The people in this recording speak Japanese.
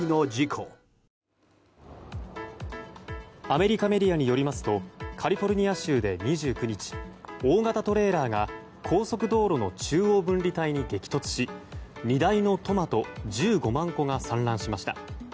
アメリカメディアによりますとカリフォルニア州で２９日大型トレーラーが高速道路の中央分離帯に激突し荷台のトマト１５万個が散乱しました。